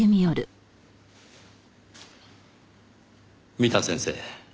三田先生。